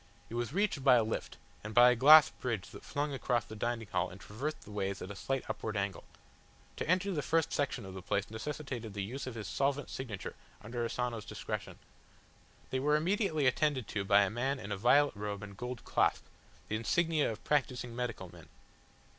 It was reached by a lift, and by a glass bridge that flung across the dining hall and traversed the ways at a slight upward angle. To enter the first section of the place necessitated the use of his solvent signature under Asano's direction. They were immediately attended to by a man in a violet robe and gold clasp, the insignia of practising medical men.